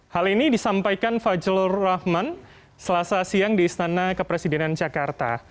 hal ini disampaikan fajrul rahman selasa siang di istana kepresidenan jakarta